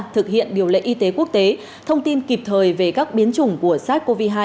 thực hiện điều lệ y tế quốc tế thông tin kịp thời về các biến chủng của sars cov hai